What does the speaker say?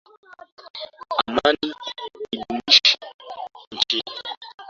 Amani idhumishwe nchini.